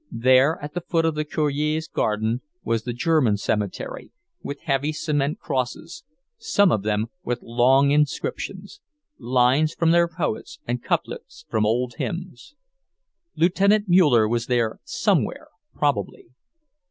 There, at the foot of the Cure's garden, was the German cemetery, with heavy cement crosses, some of them with long inscriptions; lines from their poets, and couplets from old hymns. Lieutenant Muller was there somewhere, probably.